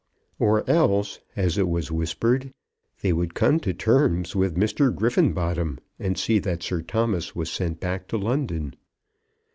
Or else, as it was whispered, they would come to terms with Griffenbottom, and see that Sir Thomas was sent back to London.